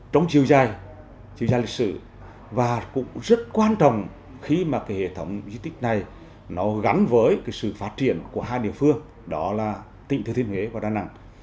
trong chiều dài chiều dài lịch sử và cũng rất quan trọng khi mà cái hệ thống di tích này nó gắn với cái sự phát triển của hai địa phương đó là tỉnh thừa thiên huế và đà nẵng